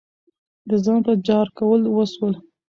د ځان جار کول وسول.